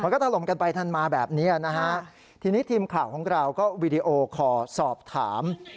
เราก็ทะลมกันไปทันมาแบบนี้ทีนี้ทีมข่าวของเราก็วิดีโอขอสอบถาม